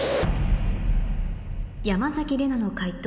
山崎怜奈の解答